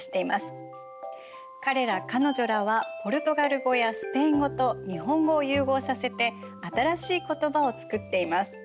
彼ら彼女らはポルトガル語やスペイン語と日本語を融合させて新しい言葉を作っています。